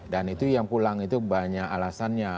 dan itu yang pulang itu banyak alasannya